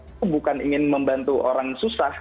itu bukan ingin membantu orang susah